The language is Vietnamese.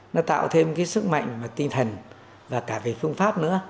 nó tạo thêm cái sức mạnh tinh thần và cả về phương pháp nữa